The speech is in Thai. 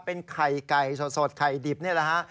เป็นไข่ไก่สดไข่ดิบนี่แหละฮะ